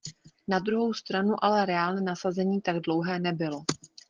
Na druhou stranu ale reálné nasazení tak dlouhé nebylo.